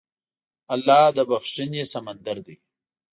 الله د بښنې سمندر دی.